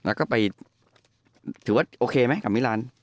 แล้วก็ไปถือว่าโอเคไหมกับมิลาน